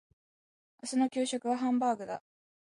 明日の給食はハンバーグだ。